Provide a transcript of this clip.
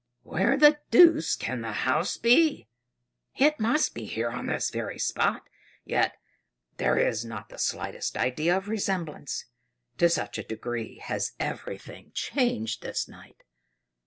Where the deuce can the house be? It must be here on this very spot; yet there is not the slightest idea of resemblance, to such a degree has everything changed this night!